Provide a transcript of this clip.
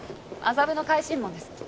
麻布の海臣門です